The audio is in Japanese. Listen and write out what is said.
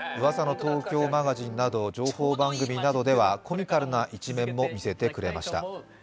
東京マガジン」など情報番組ではコミカルな一面も見せてくれました。